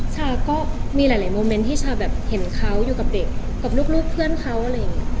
ชาก็มีหลายโมเมนต์ที่ชาแบบเห็นเขาอยู่กับเด็กกับลูกเพื่อนเขาอะไรอย่างนี้